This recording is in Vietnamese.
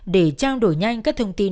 để trao đổi nhanh các thông tin